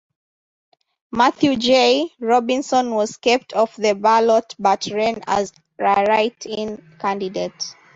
Matthew J. Robinson was kept off the ballot but ran as a write-in candidate.